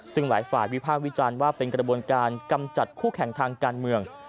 ซึ่งหลายฝ่ายวิพากษ์วิจารณ์ว่าเป็นกระบวนการกำจัดคู่แข่งทางการเมือง